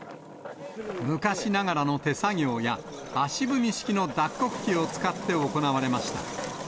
昔ながらの手作業や、足踏み式の脱穀機を使って行われました。